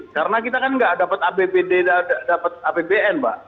karena kita kan nggak dapat abbd dan dapat abbn mbak